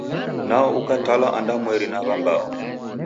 Nao ukatalwa andwamweri na w'ambao.